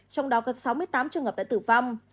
trong đó có sáu mươi tám trường hợp đã tử vong